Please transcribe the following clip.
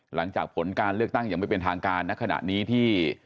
หลังจากผลการเลือกตั้งอย่างไม่เป็นทางการณขณะนี้ที่